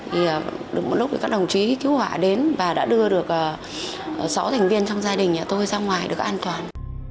thì được một lúc thì các đồng chí cứu hỏa đến và đã đưa được sáu thành viên trong gia đình nhà tôi ra ngoài được an toàn